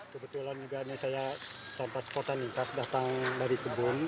kebetulan juga ini saya tanpa sepotanitas datang dari kebun